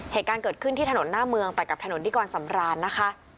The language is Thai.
เหตุการณ์เกิดขึ้นที่ถนนหน้าเมืองแต่กับถนนนิกรสำรานนะคะ